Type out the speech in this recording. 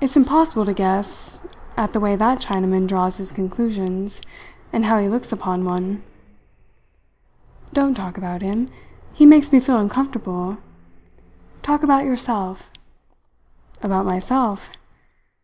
It's impossible to guess at the way that Chinaman draws his conclusions, and how he looks upon one." "Don't talk about him. He makes me feel uncomfortable. Talk about yourself!" "About myself?